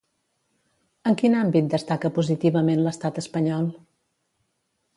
En quin àmbit destaca positivament l'estat espanyol?